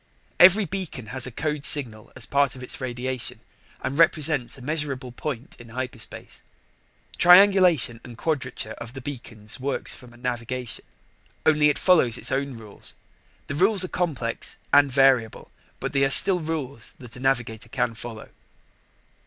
Every beacon has a code signal as part of its radiation and represents a measurable point in hyperspace. Triangulation and quadrature of the beacons works for navigation only it follows its own rules. The rules are complex and variable, but they are still rules that a navigator can follow.